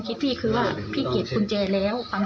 แล้วพี่ก็ขึ้นไปพี่ก็หลับประมาณ๗โมง